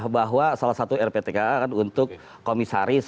bahwa salah satu rptka kan untuk komisaris